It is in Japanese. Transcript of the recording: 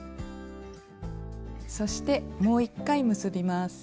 そしてもう１回結びます。